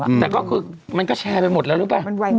แต่มันก็แชร์ไปหมดแล้วแล้วนึกมั้ย